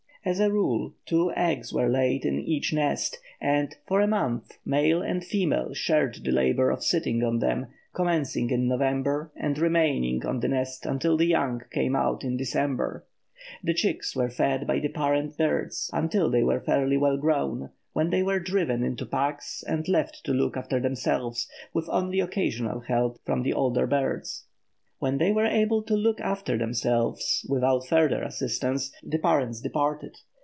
As a rule, two eggs were laid in each nest, and, for a month, male and female shared the labour of sitting on them, commencing in November and remaining on the nests until the young came out in December. The chicks were fed by the parent birds until they were fairly well grown, when they were driven into packs and left to look after themselves, with only occasional help from the older birds. When they were able to look after themselves, without further assistance, the parents departed.